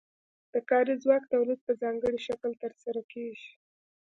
د کاري ځواک تولید په ځانګړي شکل ترسره کیږي.